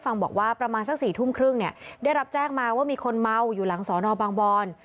ฟังบอกว่าประมาณสัก๔๓๐นี้ได้รับแจ้งมาว่ามีคนเมาว์อยู่หลังสนบบล